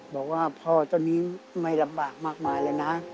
บอกว่าพ่อเจ้านี้ไม่ลำบากมากมายเลยนะ